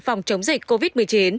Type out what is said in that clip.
phòng chống dịch covid một mươi chín